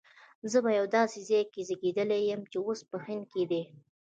زه په یو داسي ځای کي زیږېدلی یم چي اوس په هند کي دی